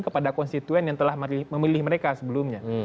kepada konstituen yang telah memilih mereka sebelumnya